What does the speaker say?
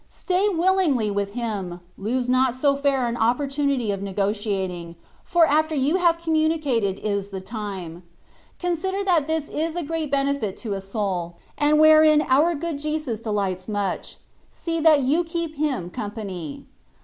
Stay willingly with Him : lose not so fair an opportunity of negotiating^ for after you have conmmnicated is the time. Consider that this is a great benefit to a sonl^ and wherein our good Jesus delights much — see that you keep Him company.